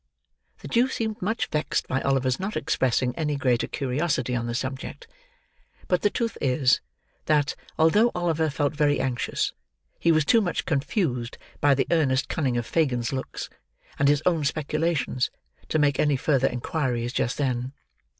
The Jew seemed much vexed by Oliver's not expressing any greater curiosity on the subject; but the truth is, that, although Oliver felt very anxious, he was too much confused by the earnest cunning of Fagin's looks, and his own speculations, to make any further inquiries just then.